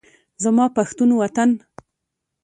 زما پښتون وطن